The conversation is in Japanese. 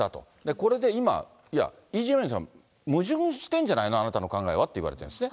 これで今、いや、イ・ジェミョンさん矛盾してるんじゃないの、あなたの考えはって言われたんですね。